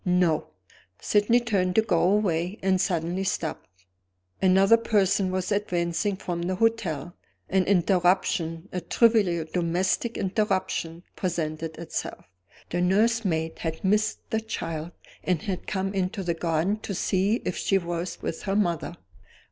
"No!" Sydney turned to go away and suddenly stopped. Another person was advancing from the hotel; an interruption, a trivial domestic interruption, presented itself. The nursemaid had missed the child, and had come into the garden to see if she was with her mother.